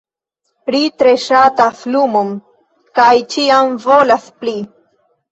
Ri tre ŝatas lumon, kaj ĉiam volas pli.